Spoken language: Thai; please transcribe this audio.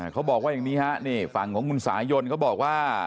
เขาบอกว่าอย่างนี้ฮะนี่ฝั่งของคุณสายนเขาบอกว่า